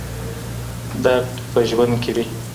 درد په ژوند کي وي.